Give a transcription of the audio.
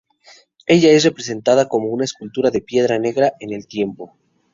Ella es representada como una escultura de piedra negra en el templo.